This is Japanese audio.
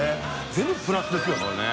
全部プラスですよね。